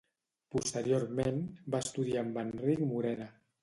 Posteriorment va estudiar amb Enric Morera.